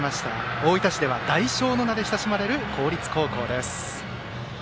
大分市では大商の名で親しまれる公立高校です。